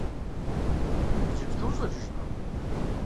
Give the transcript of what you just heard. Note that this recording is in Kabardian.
Иджыпсту ущӏэкӏыжыну?